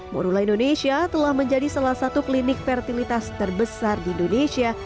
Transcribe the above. morula indonesia telah menjadi salah satu klinik fertilitas terbesar di indonesia